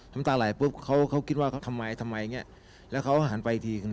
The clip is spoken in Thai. ทำต่ารายปุ๊บเค้าคิดว่าทำไมแล้วเค้าหันไปอีกที